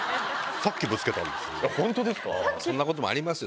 さっきぶつけたんですよ。